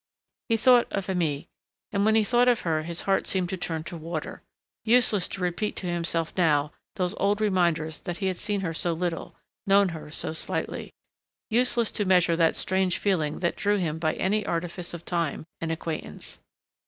He thought of Aimée. And when he thought of her his heart seemed to turn to water. Useless to repeat to himself now those old reminders that he had seen her so little, known her so slightly. Useless to measure that strange feeling that drew him by any artifice of time and acquaintance.